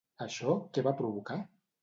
Això què va provocar?